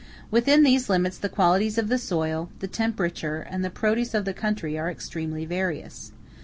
Within these limits the qualities of the soil, the temperature, and the produce of the country, are extremely various.